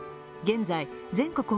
現在、全国